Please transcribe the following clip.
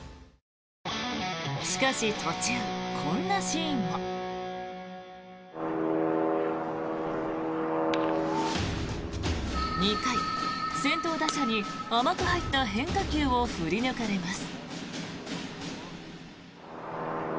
しかし途中、こんなシーンも。２回、先頭打者に甘く入った変化球を振り抜かれます。